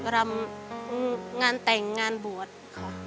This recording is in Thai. รำงานแต่งงานบวชค่ะ